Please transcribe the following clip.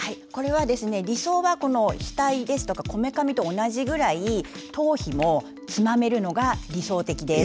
理想は額とかこめかみと同じぐらい頭皮もつまめるのが理想的です。